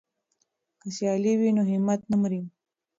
که سیالي وي نو همت نه مري.